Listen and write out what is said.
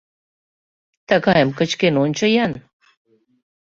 Тыгайым кычкен ончо-ян!